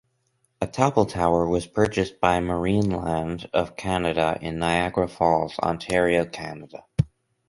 A Topple Tower was purchased by Marineland of Canada in Niagara Falls, Ontario, Canada.